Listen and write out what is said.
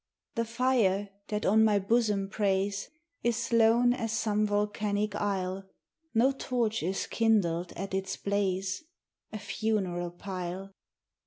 The fire that on my bosom preys Is lone as some volcanic isle; 10 No torch is kindled at its blaze A funeral pile.